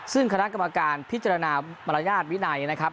ซึ่งคณะกรรมการพิจารณามารยาทวินัยนะครับ